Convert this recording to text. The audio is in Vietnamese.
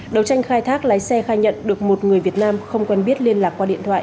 đầu tranh khai thác lái xe khai nhận được một người việt nam không quen biết liên lạc qua điện thoại